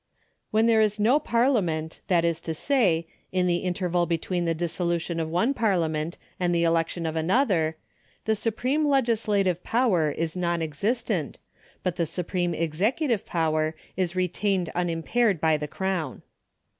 When there is no Parliament, that is to say, in tlu^ interval between the dissolution of one Parliament and the election of another, the supremo legislative power is non existent, but the supreme executive power is retained unimpaired by the Crown.